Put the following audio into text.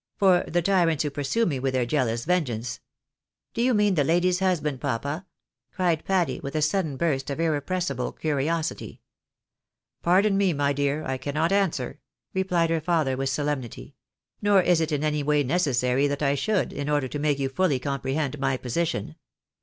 For the tyrants who pursue me with their jealous vengeance "" Do you mean the lady's husband, papa ?" cried Patty, with a sudden burst of irrepressible curiosity. 14 THE BARNABYS IN AMERICA. "Pardon me, my dear, I cannot answer," replied her father •with solemnity. " Nor is it in any way necessary that I should, in order to make you fully comprehend my position.